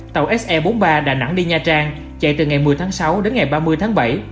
tàu se bốn mươi ba đà nẵng đi nha trang chạy từ ngày một mươi tháng sáu đến ngày ba mươi tháng bảy